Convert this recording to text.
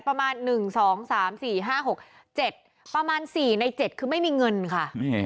ประมาณ๑๒๓๔๕๖๗ประมาณ๔ใน๗คือไม่มีเงินค่ะ